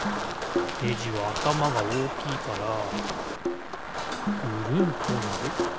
ねじはあたまがおおきいからぐるんとなる。